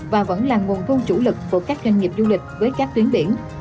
và vẫn là nguồn thu chủ lực của các doanh nghiệp du lịch với các tuyến biển